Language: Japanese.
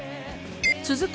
続く